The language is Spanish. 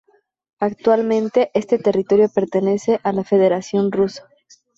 Actualmente este territorio pertenece a la Federación Rusa.